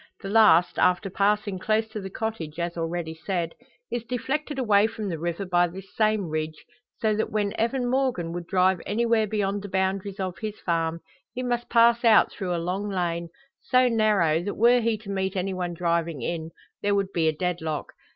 The last, after passing close to the cottage, as already said, is deflected away from the river by this same ridge, so that when Evan Morgan would drive anywhere beyond the boundaries of his farm, he must pass out through a long lane, so narrow that were he to meet any one driving in, there would be a deadlock.